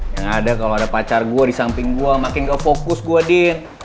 yang ada kalau ada pacar gue di samping gue makin gak fokus gue din